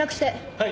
・はい！